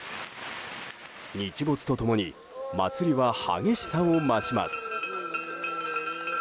日没と共に祭りは激しさを増します。